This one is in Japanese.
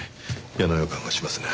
嫌な予感がしますね。